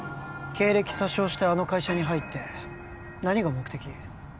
経歴詐称してあの会社に入って何が目的？